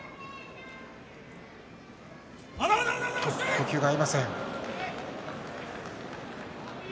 呼吸が合いません。